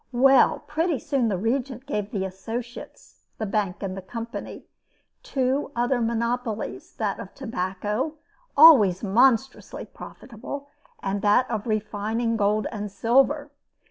Well, pretty soon the Regent gave the associates the bank and the company two other monopolies: that of tobacco, always monstrously profitable, and that of refining gold and silver.